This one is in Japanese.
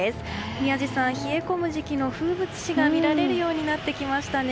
宮司さん冷え込む時期の風物詩が見られるようになってきましたね。